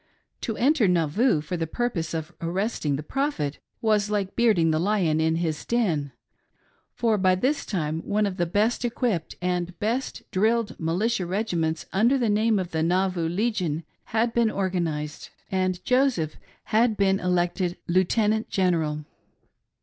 To enter Nauvoo for the purpose of arresting the Prophet was like bearding the lion in his den ; for by this time one of the best equipped and best drilled militia regiments under the name of the Nauvoo Legion had been organised, and Joseph had been elected Lieutenant General.